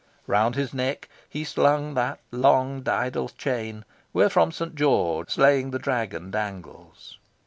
Round his neck he slung that long daedal chain wherefrom St. George, slaying the Dragon, dangles.